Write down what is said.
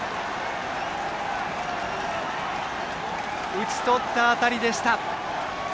打ち取った当たりでした。